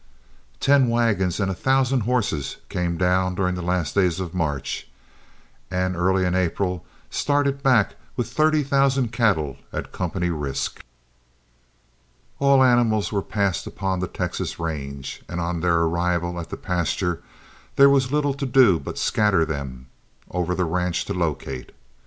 Ten wagons and a thousand horses came down during the last days of March, and early in April started back with thirty thousand cattle at company risk. All animals were passed upon on the Texas range, and on their arrival at the pasture there was little to do but scatter them over the ranch to locate.